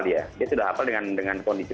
dia dia sudah hafal dengan kondisi